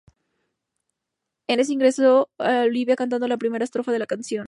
En eso ingresa Olivia cantando la primera estrofa de la canción.